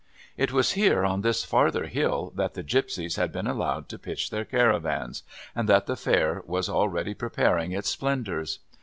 It was here on this farther hill that the gipsies had been allowed to pitch their caravans, and that the Fair was already preparing its splendours.